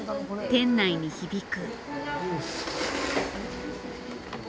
店内に響く。